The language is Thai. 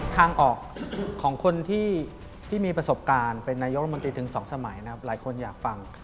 ทางออกของคนที่มีประสบการณ์เป็นนายกรมนตรีถึง๒สมัยนะครับหลายคนอยากฟัง